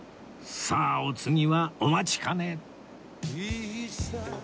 さあお次はお待ちかね！